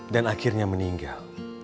dan akhirnya meninggal